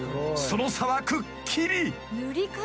［その差はくっきり］